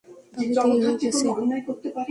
তবে দেরি হয়ে গেছে।